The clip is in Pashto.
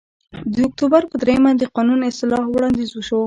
د اکتوبر په درېیمه د قانون اصلاح وړاندیز وشو